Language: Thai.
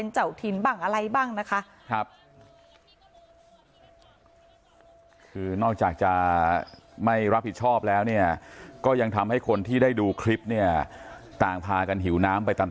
จากจะไม่รับผิดชอบแล้วยังทำให้คนที่ได้ดูคลิปเนี่ยต่างพากันหิวน้ำไปตาม